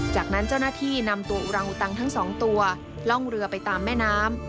จากนั้นเจ้าหน้าที่นำตัวอุรังอุตังทั้งสองตัวล่องเรือไปตามแม่น้ำ